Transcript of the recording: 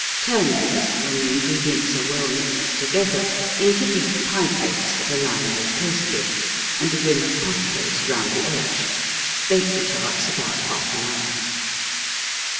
Turn this, when the ingredients are well mixed together, into deep pie plates that are lined with pastry, and a rim of puff paste round the edge. Bake the tarts about half an hour.